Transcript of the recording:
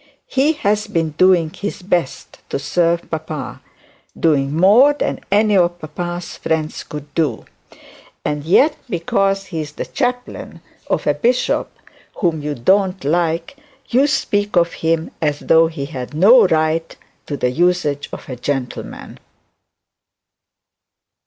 'He has been doing his best to serve papa, doing more than any of papa's friends could do; and yet, because he is the chaplain of a bishop whom you don't like, you speak of him as though he had no right to the usage of a gentleman.'